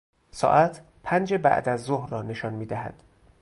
ساعت پنج بعدازظهر را نشان میدهد.